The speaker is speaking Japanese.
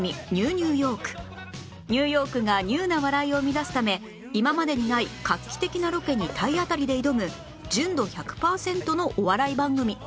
ニューヨークが ＮＥＷ な笑いを生み出すため今までにない画期的なロケに体当たりで挑む純度１００パーセントのお笑い番組